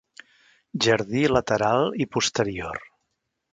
Jardí lateral i posterior.